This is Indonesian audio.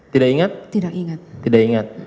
tidak ingat tidak ingat tidak ingat